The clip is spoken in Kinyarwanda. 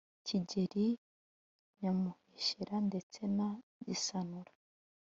kigeri nyamuheshera ndetse na gisanura